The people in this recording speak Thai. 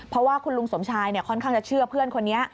เพราะว่าคุณลุงสมชายค่อนข้างจะเชื่อเพื่อนคนนี้